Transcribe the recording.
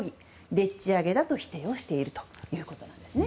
でっち上げだと否定をしているということなんですね。